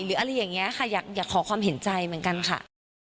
หรืออะไรอย่างนี้ค่ะอยากขอความเห็นใจเหมือนกันค่ะ